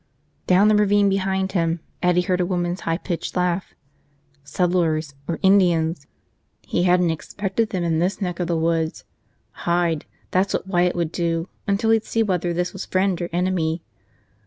Down the ravine behind him, Eddie heard a woman's high pitched laugh. Settlers. Or Indians. He hadn't expected them in this neck of the woods. Hide, that's what Wyatt would do, until he'd see whether this was friend or enemy.